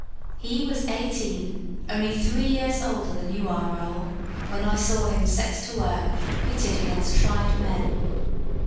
He was eighteen, only three years older than you are, Raoul, when I saw him set to work, pitted against tried men."